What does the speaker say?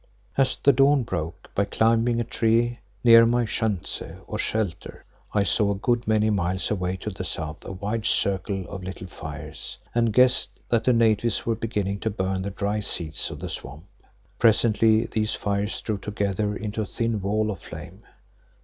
As the dawn broke, by climbing a tree near my schanze or shelter, I saw a good many miles away to the south a wide circle of little fires, and guessed that the natives were beginning to burn the dry reeds of the swamp. Presently these fires drew together into a thin wall of flame.